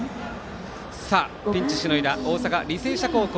ピンチしのいだ大阪、履正社高校。